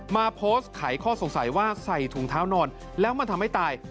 มาโพสต์ไขข้อสงสัยว่าใส่ถุงเท้านอนแล้วมันทำให้ตาย